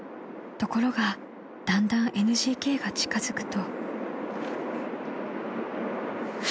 ［ところがだんだんＮＧＫが近づくと］